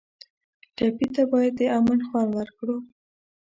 ټپي ته باید د امن خوند ورکړو.